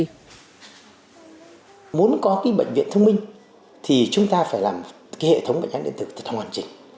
nếu muốn có bệnh viện thông minh thì chúng ta phải làm hệ thống bệnh án điện tử hoàn chỉnh